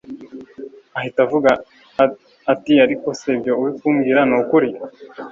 ahita avuga atiariko se ibyo urikubwira ni ukuri